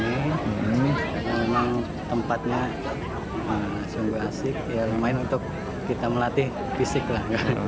ini memang tempatnya sungguh asik ya lumayan untuk kita melatih fisik lah